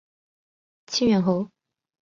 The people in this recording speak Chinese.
清远侯。